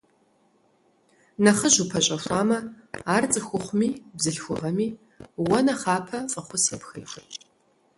Нэхъыжь упэщӏэхуамэ, ар цӏыхухъуми бзылъхугъэми уэ нэхъапэ фӏэхъус епхын хуейщ.